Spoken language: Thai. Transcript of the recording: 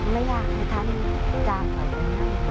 ไม่อยากให้ท่านจ้างก่อน